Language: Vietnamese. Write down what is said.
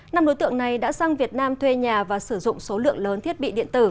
năm đối tượng này đã sang việt nam thuê nhà và sử dụng số lượng lớn thiết bị điện tử